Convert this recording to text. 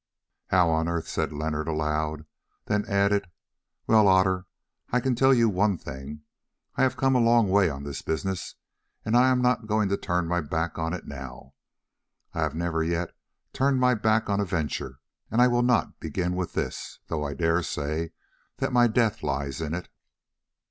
"How on earth!" said Leonard aloud, then added, "Well, Otter, I can tell you one thing. I have come a long way on this business, and I am not going to turn my back to it now. I have never yet turned my back on a venture and I will not begin with this, though I dare say that my death lies in it."